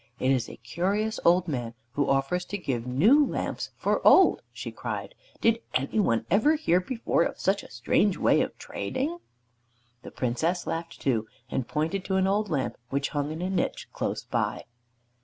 "It is a curious old man who offers to give new lamps for old," she cried. "Did any one ever hear before of such a strange way of trading?" The Princess laughed too, and pointed to an old lamp which hung in a niche close by.